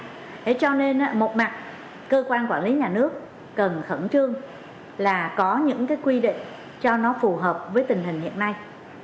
thế cho nên một mặt cơ quan quản lý nhà nước cần khẩn trương là có những cái quy định cho nó phù hợp với tình hình hiện nay